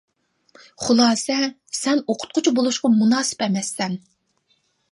خۇلاسە: سەن ئوقۇتقۇچى بولۇشقا مۇناسىپ ئەمەسسەن.